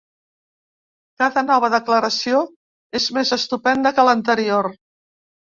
Cada nova declaració és més estupenda que l’anterior.